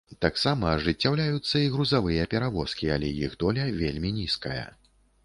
Таксама ажыццяўляюцца і грузавыя перавозкі, але іх доля вельмі нізкая.